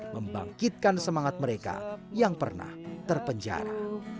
membangkitkan semangat mereka yang pernah terpenjara